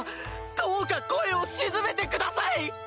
どうか声を鎮めてください！